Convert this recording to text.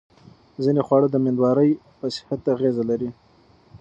ځینې خواړه د مېندوارۍ په صحت اغېزه لري.